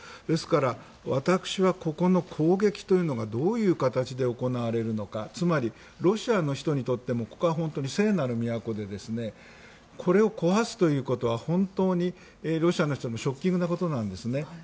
ですから私は、ここの攻撃というのがどういう形で行われるのかつまり、ロシアの人にとってもここは本当に聖なる都でこれを壊すということは本当にロシアの人ショッキングなことなんですね。